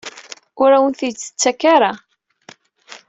Ur awen-ten-id-tettak ara?